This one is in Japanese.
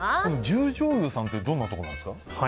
十條湯さんってどんなところなんですか？